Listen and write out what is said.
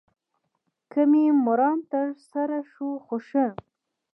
که مې مرام تر سره شو خو ښه.